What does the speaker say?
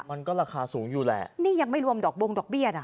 มันก็ราคาสูงอยู่แหละนี่ยังไม่รวมดอกบงดอกเบี้ยน่ะ